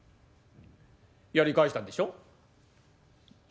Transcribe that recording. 「やり返したんでしょ？」。